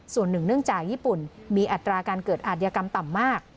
ส่วนหนึ่งเนื่องจากญี่ปุ่นมีอัตราการเกิดอาธิกรรมต่ำมาก